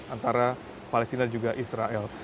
antara palestina dan juga israel